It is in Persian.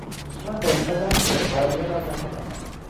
او را فرستادند که غائله را بخواباند.